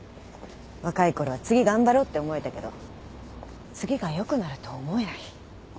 若いころは次頑張ろうって思えたけど次がよくなると思えない。